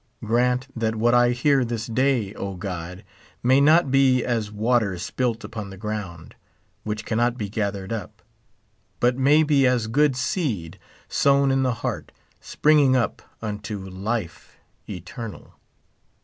Grant tliat what I hear this day, O God, may not be as water spilt upon the ground, which cannot be gathered up : but may be as good seed sown in the heart, springing up unto life eternal.